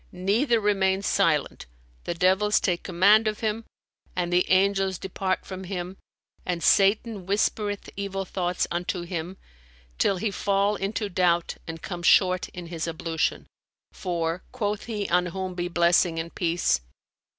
neither remain silent, the devils take command of him; and the angels depart from him and Satan whispereth evil thoughts unto him, till he fall into doubt and come short in his ablution. For (quoth he on whom be blessing and peace!)